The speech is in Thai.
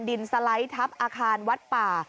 สไลด์ทับอาคารวัดป่า